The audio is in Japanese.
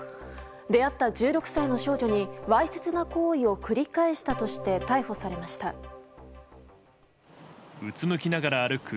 出会った１６歳の少女にわいせつな行為を繰り返したとしてうつむきながら歩く